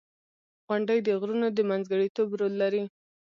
• غونډۍ د غرونو د منځګړیتوب رول لري.